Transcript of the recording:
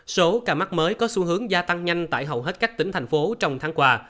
số ca mắc mới có xu hướng gia tăng nhanh tại hầu hết các tỉnh thành phố trong tháng qua